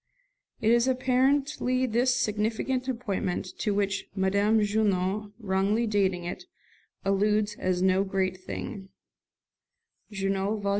It is apparently this significant appointment to which Madame Junot, wrongly dating it, alludes as "no great thing" (Junot, vol.